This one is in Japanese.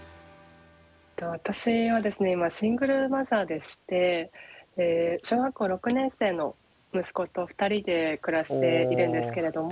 私はですね今シングルマザーでして小学校６年生の息子と２人で暮らしているんですけれども。